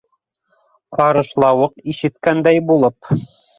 Ҡарышлауыҡ, ишеткәндәй булып: